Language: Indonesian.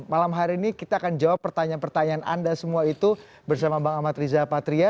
malam hari ini kita akan jawab pertanyaan pertanyaan anda semua itu bersama bang amat riza patria